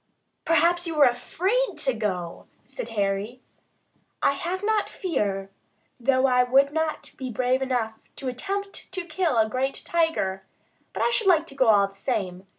"Perhaps you are afraid to go," said Harry. "I have not fear, though I would not be brave enough to attempt to kill a great tiger; but I should like to go all the same.